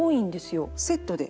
セットで？